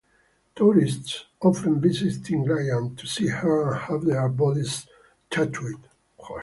Tourists often visit Tinglayan to see her and have their bodies tattooed.